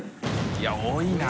い多いな。